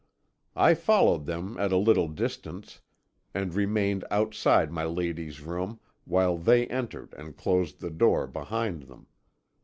"I followed them at a little distance, and remained outside my lady's room, while they entered and closed the door behind them.